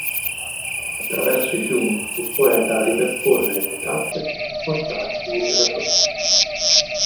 Attraverso i fiumi il poeta ripercorre le "tappe" più importanti della sua vita.